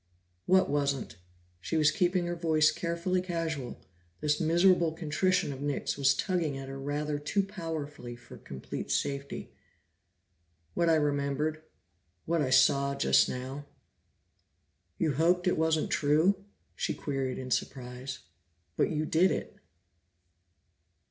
"What wasn't?" She was keeping her voice carefully casual; this miserable contrition of Nick's was tugging at her rather too powerfully for complete safety. "What I remembered. What I saw just now." "You hoped it wasn't true?" she queried in surprise. "But you did it."